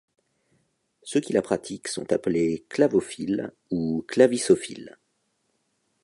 Ceux qui la pratiquent sont appelés clavophiles, ou clavissophiles.